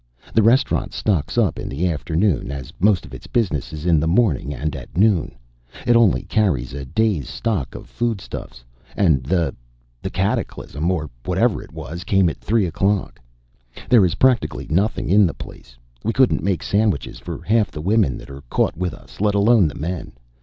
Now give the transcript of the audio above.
"The restaurant stocks up in the afternoon, as most of its business is in the morning and at noon. It only carries a day's stock of foodstuffs, and the the cataclysm, or whatever it was, came at three o'clock. There is practically nothing in the place. We couldn't make sandwiches for half the women that are caught with us, let alone the men.